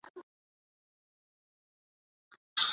كاسمه مبْدلاً من الزاي تاءَ